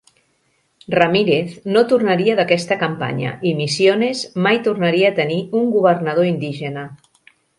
Ramírez no tornaria d'aquesta campanya i Misiones mai tornaria a tenir un governador indígena.